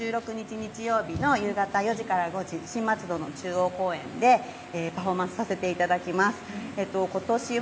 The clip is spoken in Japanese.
７月１６日日曜日の夕方４時から５時、新松戸中央公園でパフォーマンスさせていただきました。